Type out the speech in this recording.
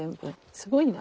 すごいな。